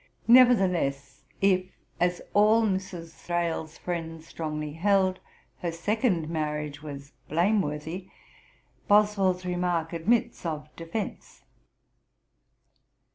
Nevertheless, if, as all Mrs. Thrale's friends strongly held, her second marriage was blameworthy, Boswell's remark admits of defence.